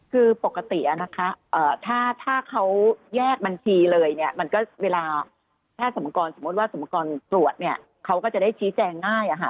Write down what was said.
คือปกตินะคะถ้าเขาแยกบัญชีเลยเนี่ยมันก็เวลาถ้าสมมกรสมมุติว่าสมกรตรวจเนี่ยเขาก็จะได้ชี้แจงง่าย